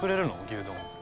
牛丼。